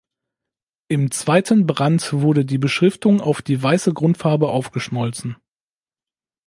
Im zweiten Brand wurde die Beschriftung auf die weiße Grundfarbe aufgeschmolzen.